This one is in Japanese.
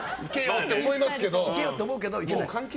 行けよって思うけど。